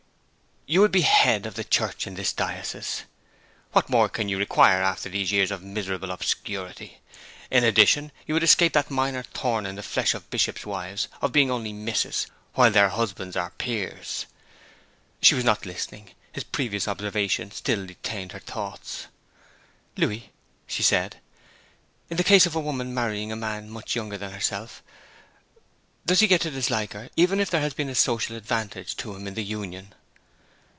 You would be head of the church in this diocese: what more can you require after these years of miserable obscurity? In addition, you would escape that minor thorn in the flesh of bishops' wives, of being only "Mrs." while their husbands are peers.' She was not listening; his previous observation still detained her thoughts. 'Louis,' she said, 'in the case of a woman marrying a man much younger than herself, does he get to dislike her, even if there has been a social advantage to him in the union?'